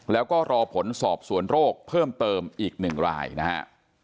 แล้วก็รอผลสอบสวนโรคเพิ่มเติมอีก๑รายนะฮะ